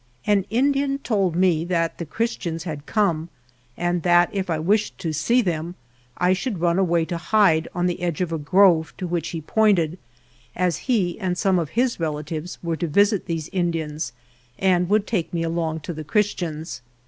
An Indian told me that the Christians had come and that if I wished to see them 79 THE JOURNEY OF I should run away to hide on the edge of a grove to which he pointed, as he and some of his relatives were to visit these Indians and would take me along to the Christians.